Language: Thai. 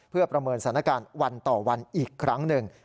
เพื่อประเมินสถานการณ์วันต่อวันอีกครั้งหนึ่ง